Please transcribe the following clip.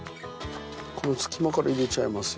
この隙間から入れちゃいますよ。